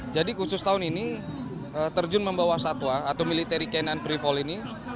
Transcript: jadi khusus tahun ini terjun membawa satwa atau militeri kainan free fall ini